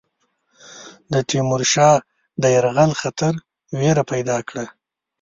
د تیمور شاه د یرغل خطر وېره پیدا کړه.